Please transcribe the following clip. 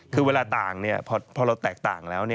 คือเวลาต่างพอเราแตกต่างแล้ว